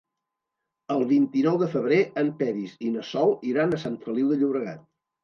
El vint-i-nou de febrer en Peris i na Sol iran a Sant Feliu de Llobregat.